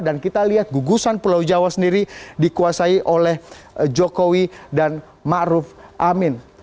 dan kita lihat gugusan pulau jawa sendiri dikuasai oleh jokowi dan maruf amin